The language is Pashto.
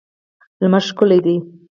لمر ښکلی دی.